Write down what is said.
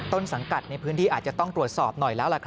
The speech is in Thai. ต้นสังกัดในพื้นที่อาจจะต้องตรวจสอบหน่อยแล้วล่ะครับ